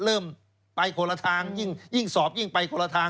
เริ่มไปคนละทางยิ่งสอบยิ่งไปคนละทาง